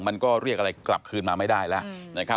มันก็เรียกอะไรกลับขึ้นมาไม่ได้แล้ว